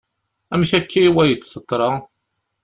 Amek akka i wayeḍ teḍra.